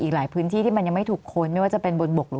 อีกหลายพื้นที่ที่มันยังไม่ถูกค้นไม่ว่าจะเป็นบนบกหรือ